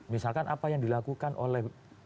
misalkan apa yang dilakukan oleh